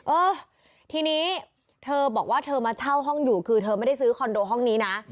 เออทีนี้เธอบอกว่าเธอมาเช่าห้องอยู่คือเธอไม่ได้ซื้อคอนโดห้องนี้นะ